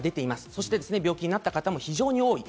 そして病気になった方も非常に多い。